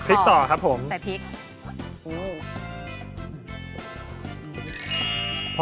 อาหารอาหาร